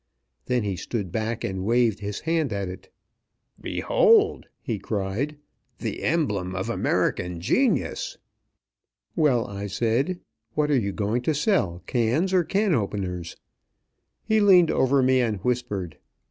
Then he stood back and waved his hand at it. "Behold!" he cried. "The emblem of American genius!" "Well," I said, "what are you going to sell, cans or can openers?" He leaned over me and whispered.